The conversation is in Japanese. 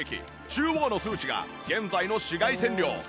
中央の数値が現在の紫外線量